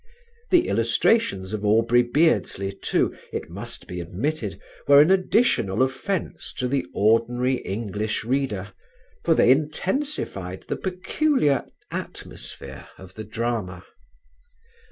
The illustrations of Aubrey Beardsley, too, it must be admitted, were an additional offence to the ordinary English reader, for they intensified the peculiar atmosphere of the drama.